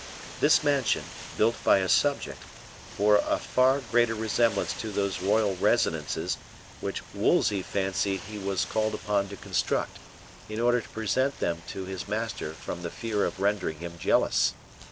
This mansion, built by a subject, bore a far greater resemblance to those royal residences which Wolsey fancied he was called upon to construct, in order to present them to his master from the fear of rendering him jealous.